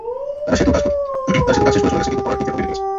তারা সেতুর কাজ শেষ করে চলে গেছে, কিন্তু ঘরটি সেভাবেই রেখে গেছে।